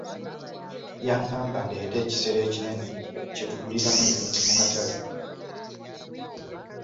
Yangamba ndeete ekisero ekinene kye tuguliramu ebintu mu katale.